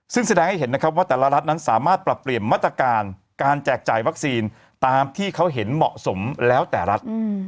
ซึ่งแสดงให้เห็นนะครับว่าแต่ละรัฐนั้นสามารถปรับเปลี่ยนมาตรการการแจกจ่ายวัคซีนตามที่เขาเห็นเหมาะสมแล้วแต่รัฐ